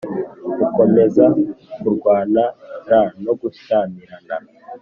Mukomeza kurwana r no gushyamirana